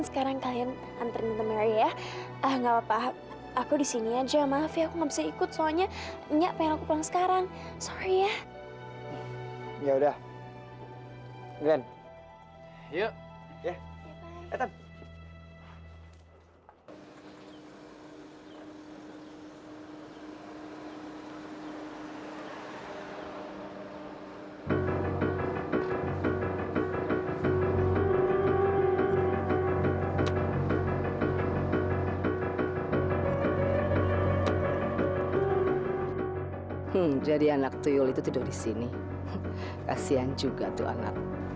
saya harus berterima kasih karena